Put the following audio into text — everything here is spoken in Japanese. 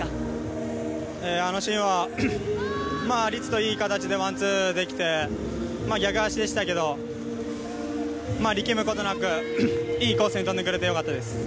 あのシーンは律といい形でワンツーできて、逆足でしたけれど、力むことなく、いいコースに飛んでくれてよかったです。